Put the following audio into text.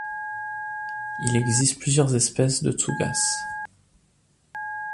Il existe plusieurs espèces de Tsugas.